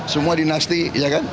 semua dinasti iya kan